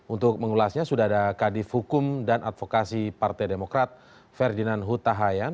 untuk mengulasnya sudah ada kadif hukum dan advokasi partai demokrat ferdinand huta hayan